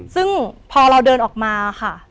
ซึ่งพอเราเดินออกมาค่ะ